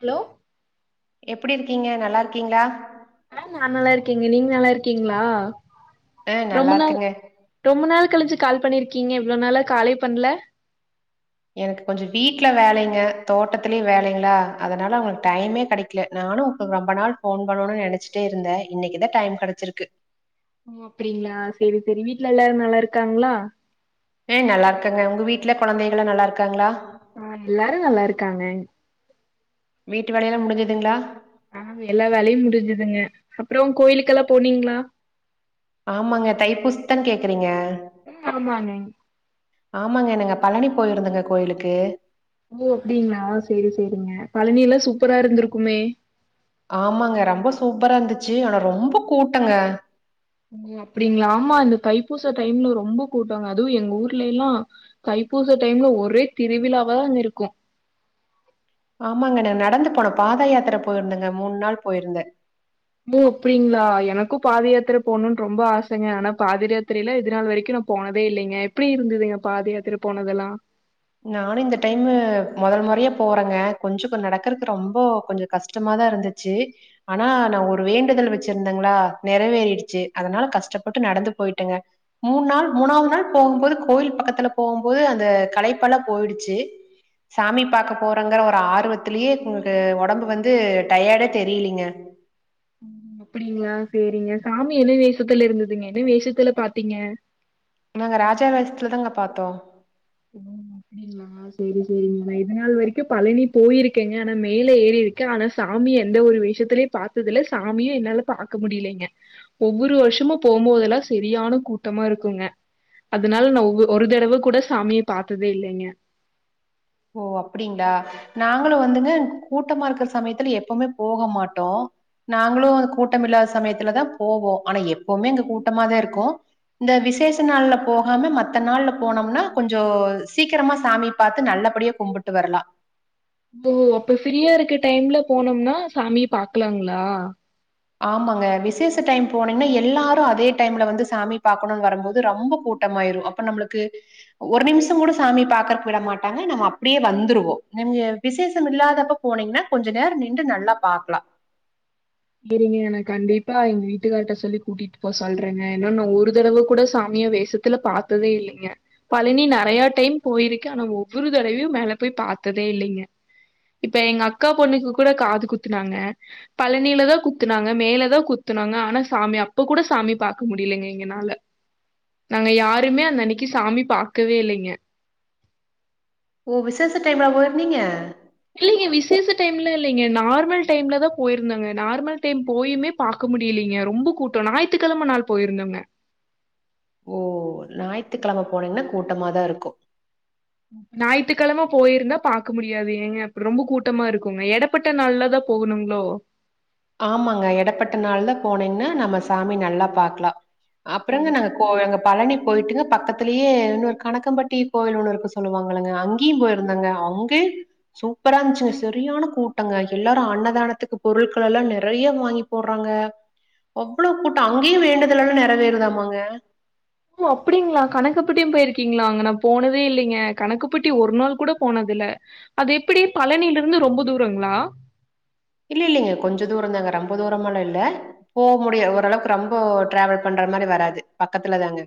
Hello எப்புடி இருக்கீங்க நல்லா இருக்கீங்ளா நா நல்லா இருக்கே நீங்க நல்லா இருக்கீங்ளா ஆ ரொம்ப நல்லா நாள் இருக்கேங்க. ரொம்ப நாள் கழிச்சு கால் பண்ணிருக்கீங்க இவ்ளோ நாளா காலே பண்ல எனக்கு கொஞ்சோ வீட்ல வேலைங்க தோட்டத்திலயு வேலைங்ளா அதனால அவங்களுக்கு டைமே கெடைக் ட்ல நானு ரொம்ப நாள் போன் பண்ணுனு நெனச்சிட்டே இருந்தே இன்னைக்குதா டைம் கெடச்சிருக்கு ஓ அப்டிங்களா சேரி சேரி வீட்ல எல்லாரு நல்லாருக்காங்ளா அ நல்லாருக்காங்க உங்க வீட்ல கொழந்தைகளா நல்லாருக்காங்ளா ஆ எல்லாரு நல்லாருக்காங்க வீட்டு வேலையெல்லா முடிஞ்சுதுங்களா ஆ எல்லா வேலையு முடிஞ்சுதுங்க அப்பறோ கோயிலுக்கெல்லா போனீங்களா ஆமாங்க தை பூசதான் கேக்குறீங்க ம் ஆமாங்க ஆமாங்க நாங்க பழனி போயிருந்தோங்க கோயிலுக்கு ஓ அப்டிங்களா சேரி சேரிங்க பழனி எல்லா சூப்பரா இருந்திருக்குமே ஆமாங்க ரொம்ப சூப்பரா இருந்துச்சு ஆனா ரொம்ப கூட்டங்க ஓ அப்டிங்களா ஆமா இந்த தைப்பூச டைம்ல ரொம்ப கூட்டங்க அதுவு எங்க ஊர்லைல்லா தைப்பூச டைம்ல ஒரே திருவிழாவா இருக்கு ஆமாங்க நா நடந்து போனோ பாத யாத்திரை போயிருந்தேங்க மூணு நாள் போயிருந்தே ஓ அப்டிங்களா எனக்கு பாத யாத்திர போணுனு ரொம்ப ஆசங்க ஆனா பாதிரயாத்திரைல இது நாள் வரைக்கு நா போனதே இல்லைங்க எப்டி இருந்ததுங்க பாத யாத்திர போனதெல்லா நானு இந்த டைமு மொதல் மொறையா போறேங்க கொஞ்சோ தூர நடக்கறக்கு ரொம்போ கொஞ்சோ கஷ்டமாதா இருந்து ச்சு ஆனா நா ஒரு வேண்டுதல் வச்சிருந்தேங்களா நெறவேறிடுச்சு அதனால கஷ்டப்பட்டு நடந்து போயிட்டேங்க மூணு நாள் மூணாவது நாள் போகுபோது கோவில் பக்கத்துல போபோது அந்த கலைப் பல்லா போயிடுச்சு சாமி பாக்க போறங்ற ஒரு ஆர்வத்துலயே எனக்கு ஒடம்பு வந்து டயடே தெரிலிங்க ம். அப்டிங்களா சேரிங்க சாமி என்ன வேஷத்துல இருந்ததுங்க என்ன வேஷத்துல பாத்தீங்க நாங்க ராஜா வேசத்துல தாங்க பாத்தோ உ ம் அப்டி ஆ சேரி சேரிங்க நா இது நாள் வரைக்கு பழனி போயிருக்கேங்க ஆனா மேல ஏறி இருக்கே ஆனா ஸ் சாமி எந்த ஒரு வேஷயத்தலயு பாத்தது இல்ல சாமியு என்னால பாக்க முடியலைங்க ஒவ்வொரு வருஷமு போபோதெல்லா செரியான கூட்டமா இருக்குங்க அதனால நா ஒவ் ஒரு தடவ கூட சாமிய பாத்ததே இல்லேங்க ஓ அப்டிங்களா நாங்களு வந்துங்க கூட்டமா இருக்கிற சமயத்துல எப்போமே போக மாட்டோ நாங்களு அது கூட்ட மில்லாத சமயத்துலதா போவோ ஆனா எப்போவுமே அங்க கூட்டமாதா இருக்கு இந்த விசேஷ நாள்ல போகாம மத்த நாள்ல போனோம்னா கொஞ்சோ சீக்கிரமா சாமி பாத்து நல்லப் படியே கும்பிட்டு வரலா ஓ அப்ப ஃப்ரீயா இருக்க டைம்ல போனோம்னா சாமிய பாக்லாங்களா ஆமாங்க விசேஷ டைம் போனீங்கன்னா எல்லாரு அதே டைம்ல வந்து சாமி பாக்கணுனு வரபோது ரொம்ப கூட்டமாயிரு அப் ப நம்மளுக்கு ஒரு நிமிஷ கூட சாமிய பாக்கறக்கு விட மாட்டாங்க நம்ம அப்டியே வந்துருவோ நிம்மியக் விசேஷம் இல்லாதப்ப போனீங்கன்னா கொஞ்ச நேர நின்டு நல்லா பாக்லா செரிங்க நா கண்டிப்பா எங்க வீட்டுக்கார்ட்ட சொல்லி கூட்டிட்டு போ சொல்றேங்க இன்ன நா ஒரு தடவ கூட சாமிய வேசத் தில பாத்ததே இல்லேங்க பழனி நெறைய டைம் போயிருக்கே ஆனா ஒவ்வொரு தடவயு மேல போய் பாத்ததே இல்லைங்க இப்ப எங்க அக்கா பொண்ணுக்கு கூட காது குத்துனாங்க பழ னிலதா குத்துனாங்க மேலதா குத்துனாங்க ஆனா சாமி அப்ப கூட சாமி பாக்க முடியலங்க எங்களால நாங்க யாருமே அந்த அன்னைக்கி சாமி பாக்கவே இல்லேங்க ஓ விசேஷ டைம்லயா போயிருந்தீங்க இல்லயே விசேஷ டைம்ல்ல இல்லைங்க நார்மல் டைம்ல தா போயிருந்தேங்க நார்மல் டைம் போயுமே பாக்க முடியலீங்க ரொம்ப கூட்டோ ஞாயிற்றுக்கெழம நாள் போயிருந்தோங்க ஓ ஞாயித்துக்கெழம போனீங்கன்னா கூட்டமாதா இருக்கு ஞாயித்துக்கெழம போயிருந்தா பாக்க முடியாது ஏங்க அப்பறோ ரொம்ப கூட்டமா இருக்குங்க எட ப்பட்ட நாள்லதா போகணுங்ளோ ஆமாங்க எடப்பட்ட நாள்ல போனைங்னா நம்ம சாமி நல்லா பாக்லா அப்றங்க சரி. நாங்க கோ எங்க பழனி போயிட்டுங்க பக்கத்திலயே இன்னொரு கணக்கம்பட்டி கோயில் ஒண்ணு இருக்குன்னு சொல்லுவாங்கில்லங்க அங்கயு போயிருதோங்க அங்கயு சூப்பரா இருன்ச்சுங்க சரியான கூட்டங்க எல்லாரு அன்னதானத்துக்கு பொருள் எல்லா நெறைய வாங்கி போட்றாங்க அவ்ளோ கூட்டம் அங்கயு வேண்டுதல் எல்லா நெறைவேறுதாமாங்க ஓ அப்டிங்களா கணக்கம்ப்பட்டியு போயிருக்கீங்ளா அங்க நா போனதே இல்லைங்க கணக்கம்ப்பட்டி ஒரு நாள் கூட போனது இல்ல அது எப்புடி பழனில இருந்து ரொம்ப தூரங்ளா இல்ல இல்லைங்க கொஞ்ச தூரதாங்க ரொம்ப தூரமெல்லா இல்ல போ முடியு ஓரளவுக்கு ரொம்ப டிராவல் பண்ற மாறி வராது பக்கத்துலதாங்க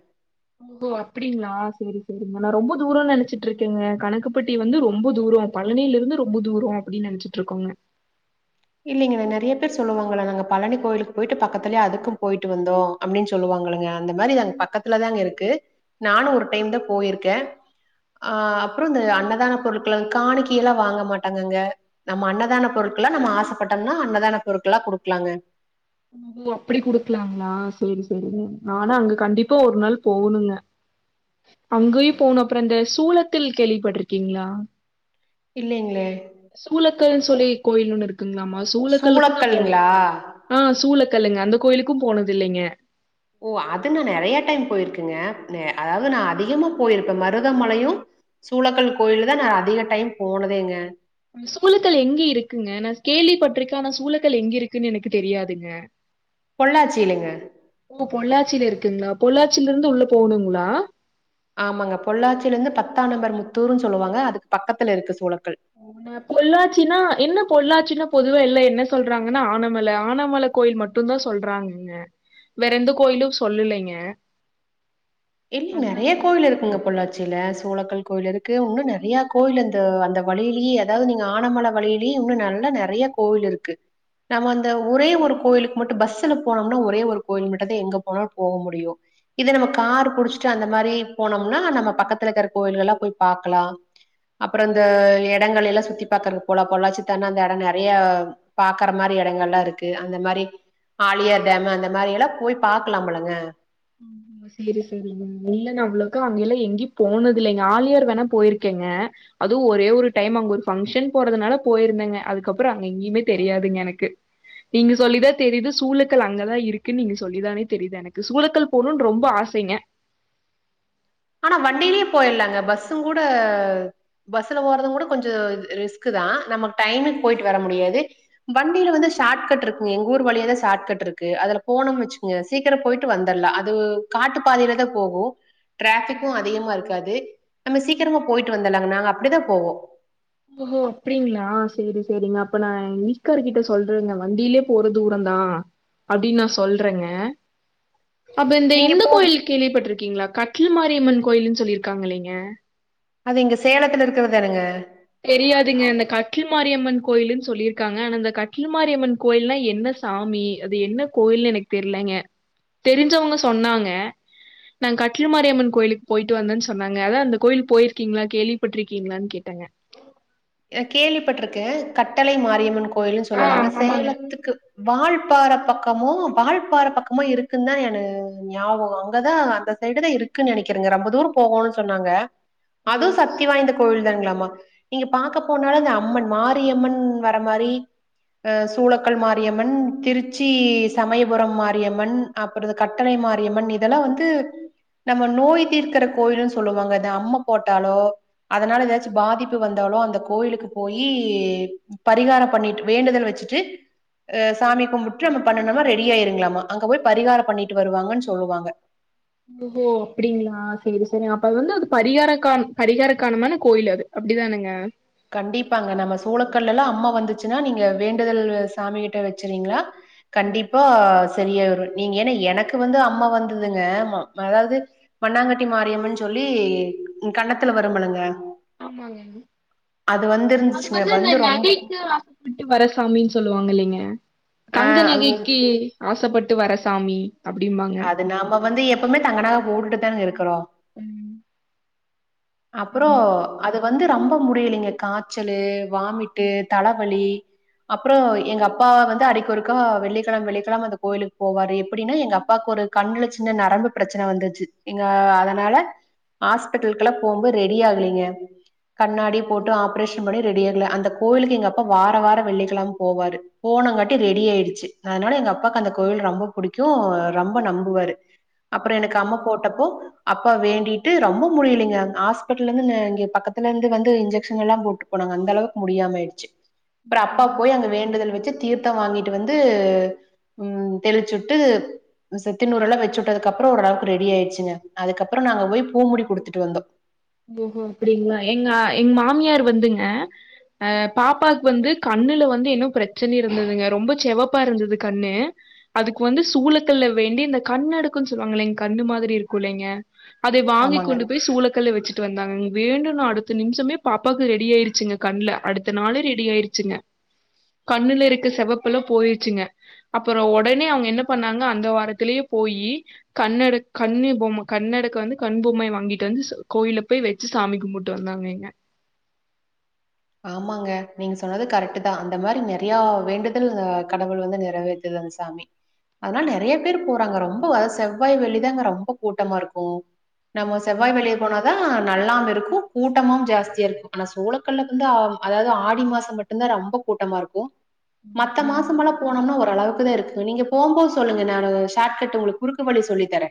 ஓ அப்பிடிங்ளா சேரி சேரிங்க நா ரொம்ப தூரன்னு நெனச்சிட்டு இருக்கேங்க கணக்குப்பட்டி வந்து ரொம்ப தூரம் பழனில இருந்து ரொம்ப தூரோ அப்பிடின்னு நெனச்சிட்டு இருக்கோங்க இல்லைங்களே நெறைய பேர் சொல்லுவாங்கல்ல நாங்க பழனி கோயிலுக்கு போயிட்டு பக்கத்துலயே அதுக்கும் போயிட்டு வந்தோ அப்டின்னு சொல்லுவாங்கல்லங்க அந்த மாறிதாங் பக்கத்துல தாங்க இருக்கு நானும் ஒரு டைம்தா போயிருக்கே ஆ அப்றோ இந்த அன்னதான பொருட்கள காணிக்கை எல்லா வாங்க மாட்டாங்கங்க நம்ம அன்னதான பொருட்கள நம்ம ஆசைப்பட்டன்னா அன்னதான பொருட்களா குடுக்கலாங்க ஓ ஓ அப்பிடி குடுக்கலாங்ளா சேரி சேரி ஆனா அங்க கண்டிப்பா ஒரு நாள் போகணுங்க அங்கயு போணு அப்றோ இந்த சூளத்தில் கேள்விப்பட்டிருக்கீங்ளா இல்லைங்ளே சூலக்கல்ன்னு சொல்லி கோயில் ஒன்னு இருக்குங்ளாமா சூலக்கல்லுக்கு நா போனது சூளக்கல்ங்களா? ஆ சூளக்கல்லுங்க அந்த கோயிலுக்கு போனது இல்லைங்க ஓ அது நா நெறைய டைம் போயிருக்கங்க நெ அதாவது நா அதிகமா போயிருப்பே மருதமலையு சூளக்கல் கோயில் தா நா அதிக டைம் போனதேங்க அந்த சூழக்கல் எங்க இருக்குங்க நா கேள்விப்பட்ருக்கே ஆனா சூழக்கல் எங்க இருக்குன்னு எனக்கு தெரியாதுங்க அ பொள்ளாச்சியிலங்க ஓ பொள்ளாச்சியில இருக்குங்ளா பொள்ளாச்சியில இருந்து உள்ள போகணுங்ளா ஆமாங்க பொள்ளாச்சியில இருந்து பத்தா நம்பர் முத்தூர்ன்னு சொல்லுவாங்க அதுக்கு பக்கத்துல இருக்கு சூழக்கல் பொள்ளாச்சின்னா என்ன பொள்ளாச்சின்னா பொதுவா எல்லா என்ன சொல்றாங்கன்னா ஆனமலை ஆனமலை கோயில் மட் டுந்தா சொல்றாங்கங்க வேற எந்த கோயிலும் சொல்லலைங்க இல்லங் நெறைய அதனால கோவில் இருக்குங்க பொள்ளா ச்சில சூழக்கல் கோயில் இருக்கு இன்னும் நெறையா கோயில் அந்த அந்த வழியிலயே அதாவது நீங்க ஆனமலை வழி ழியே இன்னும் நல்ல நெறைய கோயில் இருக்கு நம்ம அந்த ஒரே ஒரு கோயிலுக் மட்டு பஸ்சுல போனம்னா ஒரே ஒரு கோயில் மட்டுந்தா எங்க போனாலு போக முடியு இதே நம்ம கார் புடிச்சிட்டு அந்த மாறி போனம்னா நம்ம பக்கத்துல இக்கற கோயில்கள் எல்லா போய் பாக்கலா அப்புற இந்த இடங்கள் எல்லா சுத்தி பாக்குறதுக்கு போலா பொள்ளாச்சி தாண்டுனா அந்த இடம் நெறையா பாக்கற மாறி எடங்கல்லா இருக்கு அந்த மாறி ஆழியார் டேம் அந்த மாறியெல்லாம் போய் பாக்கலாமில்லங்க உம் உம் சேரி சரிங்க இல்லங்க அவ்ளோக்கா அங்க எல்லா எங்கயு போனதில்லைங்க ஆலியார் வேணா போயிருக்கேங்க அதுவு ஒரே ஒரு டைம் அங்க ஒரு பங்க்ஷன் போறதுனால போயிருந்தேங்க அதுக்கப்றோ அங்க எங்கயுமே தெரியாதுங்க எனக்கு நீங்க சொல்லிதா தெரியுது சூழக்கல் அங்கதா இருக்குன்னு நீங்க சொல்லிதானே தெரியுது எனக்கு சூழக்கல் போணும்னு ரொம்ப ஆசைங்க ஆனா வண்டியிலயே போயிடலாங்க பஸ்ஸும் கூட பஸ்ல போறதும் கூட கொஞ்சோ ரிஸ்கு தா நமக்கு டைம்முக்கு போயிட்டு வர முடியாது வண்டியில வந்து ஷார்ட கட் இருக்குங்க எங்க ஊரு வழியதா ஷார்ட கட் இருக்கு அதுல போனேன்னு வச்சிகிங்க சீக்கிரோ போயிட்டு வந்துடலா அது காட்டு பாதையிலதா போகு டிராபிக்கு அதிகமா இருக்காது நம்ம சீக்கிரமா போயிட்டு வந்தலாங்க நாங்க அப்டிதா போவோ ஓஹோ அப்டிங்ளா செரி செரிங்க அப்ப நா வீட்டுக்காரர் கிட்ட சொல்றேங்க வண்டியிலயே போற தூர தா அப்டின்னு நா சொல்றேங்க அப்ப இந்த நீங்க இந்த போ கோயிலு கேள்விப்பட்டிருக்கீங்ளா கட்டில் மாரியம்மன் கோயில் சொல்லியிருக்காங்க இல்லங்க அது இங்க சேலத்துல இருக்கறதானுங்க தெரியாதுங்க அந்த கட்டில் மாரியம்மன் கோயில்னு சொல்லிருக்காங்க ஆனா அந்த கட்டில் மாரியம்மன் கோயில்னா என்ன சாமி அது என்ன கோயில் எனக்கு தெரியலங்க தெரிஞ்சவங்க சொன்னாங்க நா கட்டில் மாரியம்மன் கோயிலுக்கு போயிட்டு வந்தன் சொன்னாங்க அதா அந்த கோயில் போயிருக்கீங்ளா கேள்விப்பட்டிருக்கீங்ளான்னு கேட்டேங்க கேள்விப்பட்டிருக்க கட்டளை மாரியம்மன் கோயிலனு ஆ சொல்லுவாங்க ஆமாங்க. சேலத்துக்கு வாழ்பார பக்கமோ வாழ்பார பக்கமோ இருக்குன்னு தா எனு ஞாபகோ அங்கதா அந்த இடத இருக்குன்னு நினைக்கிறேங்க ரொம்ப தூரம் போகுனு சொன்னாங்க ஓ! அதுவு சக்தி வாய்ந்த கோவில் தானங்களாமா பாக்க போனாலு அந்த அம்மன் மாரியம்மன் வர மாதிரி அ சூளக்கல் மாரியம்மன் திருச்சி சமயபுரம் மாரியம்மன் அப்புற கட்டளை மாரியம்மன் இதெல்லா வந்து நம்ம நோய் தீர்க்கிற கோயில்னு சொல்லுவாங்க த அம்மா போட்டாலோ அதனால ஏதாச்சு பாதிப்பு வந்து போனாலே அந்த கோயிலுக்கு போயி பரிகாரம் பண்ணிட்டு வேண்டுதல் வச்சிட்டு அ சாமி கும்புட்டு நம்ம பண்ணுணோம்னா ரெடி ஆயிருங்களாமா அங்க போய் பரிகாரோ பண்ணிட்டு வருவாங்கன்னு சொல்லுவாங்க ஓஹோ அப்டிங்ளா செரி செரி அப்ப அது வந்து அது பரிகாரகான் பரிகாரக்கானமான கோயில் அது அப்டி தானுங்க கண்டிப்பாங்க நம்ம சோளக்கல்லுல அம்மா வந்துச்சின்னா நீங்க வேண்டுதல் சாமி கிட்ட வச்சிறீங்ளா கண்டிப்பா சரியா வரும் நீங்க ஏனா எனக்கு வந்து அம்மோ வந்ததுங்க அதாவது மண்ணாங்கேட்டி மாரியம்மன்னு சொல்லி கண்ணத்துல வரும்மிலங்க ஆமாங்க அது வந்திருந்துச்சுங்க. வந்து இந்த ரொம் நகைக்கா விட்டு வரசாமின்னு சொல்லுவாங்க இல்லங்க ஆ தங்க அது நகைக்கி ஆசைப்பட்டு வர சாமி அப்டிம்பாங்க அது நாம வந்து எப்போம்மே தங்க நக போட்டுதான இருக்குறோ ம் அப்புறோ ஆமா. அது வந்து ரொம்ப முடியலங்க காய்ச்சலு வாமிட்டு தலைவலி அப்ரோ எங்க அப்பா வந்து அடிக்கிகோருக்கா வெள்ளிக்கேழம வெள்ளிக்கேழம அந்த கோயிலுக்கு போவாரு எப்டின்னா எங்க அப்பாவுக்கு ஒரு கண்ணுல சின்ன நரம்பு பிரச்சன வந்துச்சி இங்க அதனால ஹாஸ்பிட்டலு க்கு போம்போது ரெடி ஆகலீங்க கண்ணாடி போட்டு ஆப்ரே பண்ணி ரெடி ஆகல அந்த கோவிலுக்கு எங்க அப்ப வார வார வெள்ளிக்கழமே போவாரு போனங்காட்டி ரெடி ஆயிடுச்சி அதனால எங்க அப்பாக்கு அந்த கோவில் ரொம்ப பிடிக்கு ரொம்ப நம்புவாரு அப்ரோ எனக்கு அம்ம போட்டப்போ அப்பா வேண்டிட்டு ரொம்ப முடியலைங் ஹாஸ்பிட்டலந்து இங்கே பக்கத்துல இருந்து வந்து இன்ஜெக்ஷன்லா போட்டு போனாங்க அந்த அளவுக்கு முடியாம அயிடு ச்சி அப்ரோ அப்பா போயி அங்க வேண்டுதல் வச்சி தீர்த்தம் வாங்கிட்டு வந்து உம் தெளிச்சி உட்டு இந் செத்திநூறு எல்லா வச்சி உட்டதுக்கு அப்ரோ ஓர் அளவு ரெடி ஆயிடுச்சிங்க அதுக்கப்புறோ நாங்க போய் பூ முடி குடுத்துட்டு வந்தோ ஓஹோ அப்பிடிங்ளா எங்க எங்க மாமியார் வந்துங்க அ பாப்பாவுக்கு வந்து கண்ணுல வந்து ஏன்னோ பேரச்சன இருந்ததுங்க ரொம்ப செவப்பா இருந்தது கண்ணு அதுக்கு வந்து சூழக்கல்ல வேண்டி இந்த கண் அடுக்குன்னு சொல்லுவாங் இல்லேங்க கண்ணு மாதிரி இருக்கு இல்லேங்க அதை வாங்கிக் ஆமாங்க. கொண்டு போயி சூளக்கல்ல வச்சுட்டு ட்டு வந்தாங்க வேண்டுன்னோ அடுத்த நிமிஷமே பாப்பாவுக்கு ரெடி ஆயிருச்சுங்க கண்ல அடுத்த நாளே ரெடி ஆயிருச்சுங்க கண்ணுல இருக்கற செவப்புல்லா போயிருச்சுங்க அப்பறோ உடனே அவங்க என்ன பண்ணாங்க அந்த வாரத்திலயே போயி கண்ணட கண்ணு பொம்ம கண்ணடக்க வந்து கண் பொம்மை வாங்கிட்டு வந்து கோயில போய் வச்சி சாமி கும்புட்டு வந்தங்க இங்க ஆமாங்க நீங்க சொன்னது கரக்ட் தா அந்த மாரி நெறையா வேண்டுதல் அ கடவுள் வந்து நெறைவேற்றுது அந்த சாமி அதுனால நெறைய பேர் போறாங்க ரொம்ப அத செவ்வாய் வெள்ளிதா அங்க ரொம்ப கூட்டமா இருக்கு நம்ம செவ்வாய் வெள்ளி போனாதா நல்லாவு இருக்கும் கூட்டமும் ஜாஸ்தியா இருக்கும் ஆனா சோளக்கல்ல அந்த அதாவது ஆடி மாச மட்டும் தா ரொம்ப கூட்டமா இருக்கும் ம். மத்த அப்படிங்களா? மாசம்லா போனம்ன்னா ஓ அளவுக்குதா இருக்கு நீங்க போம் போது சொல்லுங்க நானு ஓ ஷார்ட கட் உங்களுக்கு குறுக்கு வழி சொல்லித்தர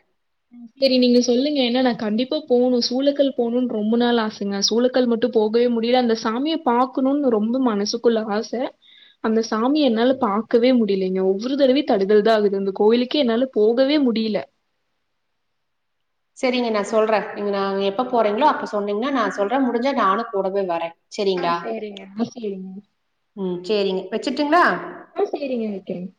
சரி நீங்க சொல்லுங்க ஏன்னா நா கண்டிப்பா போணு சூளக்கல் போணும்னு ரொம்ப நாள் ஆசங்க சூளக்க கல் மட்டும் போகவே முடில அந்த சாமிய பார்க்கணும்னு ரொம்ப மனசுக்குள்ள ஆச அந்த சாமிய என்னால பாக்கவே முடியலங்க ஒவ்வொரு தடவையு தடுங்கல் தா ஆகுது அந்த கோயிலுக்கே என்னால போகவே முடில சேரிங்க நா சொல்ற நீங்க நான்ங்க எப்ப போறீங்களோ அப்ப சொன்னீங்கன்னா நா சொல்ற முடிஞ்சா நானு கூடவே வர்ர ஆ, சேரிங்களா சரிங்க. ஆ, சரிங்க. ம் சேரிங்க வச்சுட்டுங்களா ஆ சேரிங்க வைக்கிரங்க